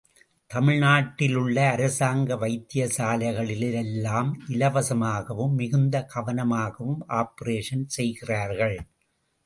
தமிழ்நாட்டிலுள்ள அரசாங்க வைத்தியசாலைகளிலெல்லாம் இலவசமாகவும் மிகுந்த கவனமாகவும் ஆப்பரேஷன் செய்கிறார்கள்.